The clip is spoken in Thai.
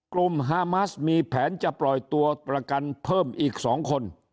ฮามัสมีแผนจะปล่อยตัวประกันเพิ่มอีก๒คน